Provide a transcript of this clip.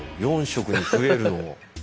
４色に増えるのも。